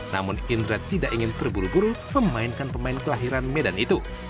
namun indra tidak ingin terburu buru memainkan pemain kelahiran medan itu